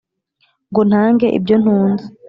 ngo ntange ibyo ntunze